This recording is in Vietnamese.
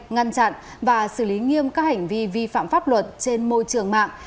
ngăn chặn và xử lý nghiêm các hành vi vi phạm pháp luật trên môi trường mạng